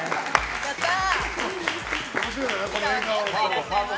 やったー！